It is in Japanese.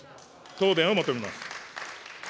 答弁を求めます。